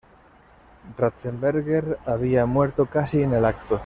Ratzenberger había muerto casi en el acto.